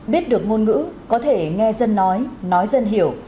biết được ngôn ngữ có thể nghe dân nói nói dân hiểu